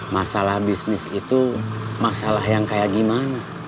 masalah bisnis itu masalah yang kayak gimana